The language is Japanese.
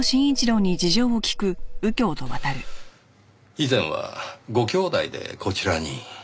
以前はご兄弟でこちらに？